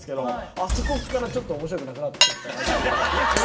あそこからちょっと面白くなくなってきたなっていう。